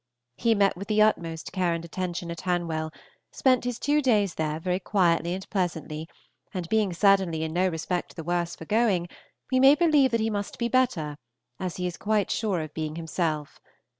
He met with the utmost care and attention at Hanwell, spent his two days there very quietly and pleasantly, and being certainly in no respect the worse for going, we may believe that he must be better, as he is quite sure of being himself.